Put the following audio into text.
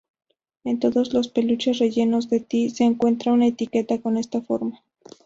En todos los peluches rellenos de Ty se encuentra una etiqueta con esta forma.